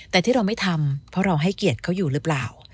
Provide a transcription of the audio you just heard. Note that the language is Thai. แต่ที่เราไม่ทำเพราะเราให้เกียรติเขาอยู่หรือเปล่า